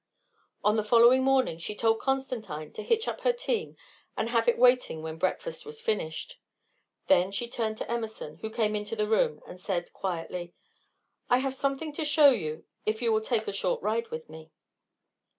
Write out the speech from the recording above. On the following morning she told Constantine to hitch up her team and have it waiting when breakfast was finished. Then she turned to Emerson, who came into the room, and said, quietly: "I have something to show you if you will take a short ride with me."